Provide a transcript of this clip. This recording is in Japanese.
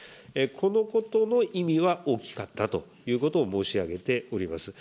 このことの意味は大きかったということを申し上げております。